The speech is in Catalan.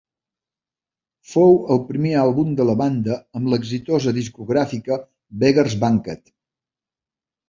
Fou el primer àlbum de la banda amb l'exitosa discogràfica Beggars Banquet.